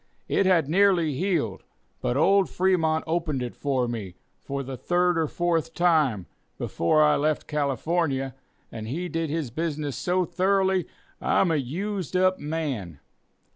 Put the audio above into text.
It had nearly healed; but old Fremont opened it for me, for the third or fourth time, before I left California, and he did his business so thoroughly, I'm a used up man.